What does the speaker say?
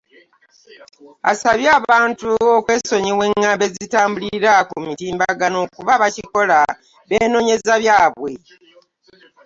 Asabye abantu okwesonyiwa eng’ambo ezitambulira ku mitimbagano kuba abakikola beenoonyeza byabwe.